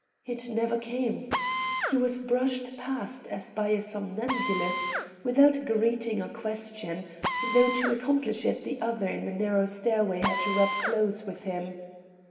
It never came. He was brushed past as by a somnambulist, without greeting or question, though to accomplish it the other in the narrow stairway had to rub clothes with him.